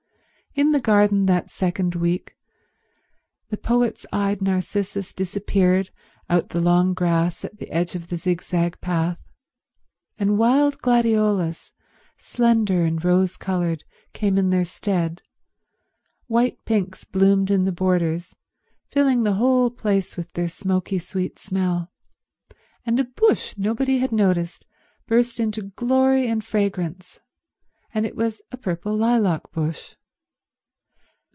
In the garden that second week the poet's eyed narcissus disappeared out the long grass at the edge of the zigzag path, and wild gladiolus, slender and rose coloured, came in their stead, white pinks bloomed in the borders, filing the whole place with their smoky sweet smell, and a bush nobody had noticed burst into glory and fragrance, and it was a purple lilac bush.